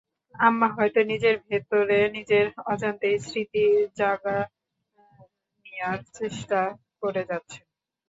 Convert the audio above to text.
আম্মা হয়তো নিজের ভেতরে নিজের অজান্তেই স্মৃতি জাগানিয়ার চেষ্টা করে যাচ্ছেন।